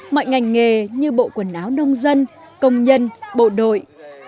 mọi ngành nghề như bộ quần áo nông dân công nhân bộ đội